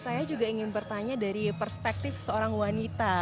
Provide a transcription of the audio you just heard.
saya juga ingin bertanya dari perspektif seorang wanita